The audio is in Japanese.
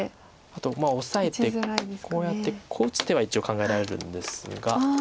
あとオサえてこうやってこう打つ手は一応考えられるんですが。